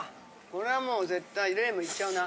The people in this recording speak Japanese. これはもう絶対冷麺いっちゃうな。